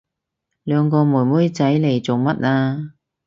你兩個妹妹仔嚟做乜啊？